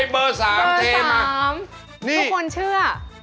เบอร์๓เทมากเลยนะครับทุกคนเชื่อนี่